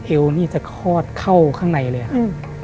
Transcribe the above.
เอวนี่จะคลอดเข้าข้างในเลยครับ